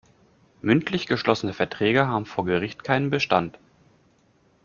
Mündlich geschlossene Verträge haben vor Gericht keinen Bestand.